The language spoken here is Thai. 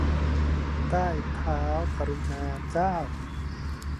ใต้เท้ากรุณาเจ้า